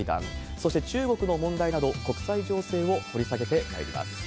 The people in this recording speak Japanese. そして、中国の問題など、国際情勢を掘り下げてまいります。